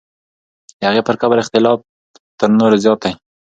د هغې پر قبر اختلاف تر نورو زیات دی.